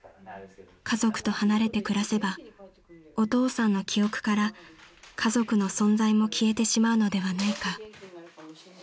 ［家族と離れて暮らせばお父さんの記憶から家族の存在も消えてしまうのではないか］